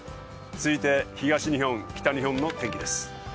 続いて東日本、北日本の天気です。